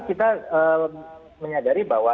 kita menyadari bahwa